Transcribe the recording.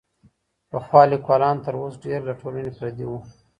پخوا ليکوالان تر اوس ډېر له ټولني پردي وو.